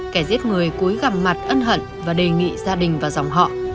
kẻ giết người cuối gặm mặt ân hận và đề nghị gia đình và dòng họ